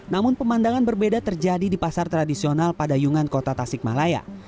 namun pemandangan berbeda terjadi di pasar tradisional pada yungan kota tasik malaya